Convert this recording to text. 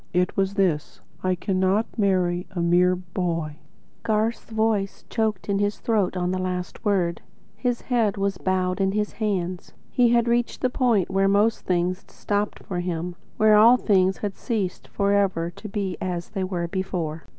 It was this: 'I cannot marry a mere boy.'" Garth's voice choked in his throat on the last word. His head was bowed in his hands. He had reached the point where most things stopped for him; where all things had ceased forever to be as they were before.